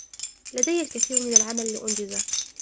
لدي الكثير من العمل لأنجزهُ.